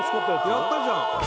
やったじゃん！